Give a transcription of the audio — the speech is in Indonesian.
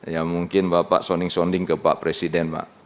ya mungkin bapak sonding sounding ke pak presiden pak